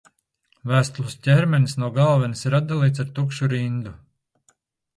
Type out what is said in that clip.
Vēstules ķermenis no galvenes ir atdalīts ar tukšu rindu.